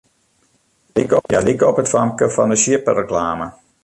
Hja like op it famke fan 'e sjippereklame.